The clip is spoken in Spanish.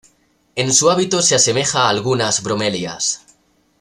En su hábito se asemeja a algunas bromelias.